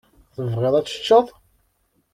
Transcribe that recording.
Tebɣid ad teččeḍ?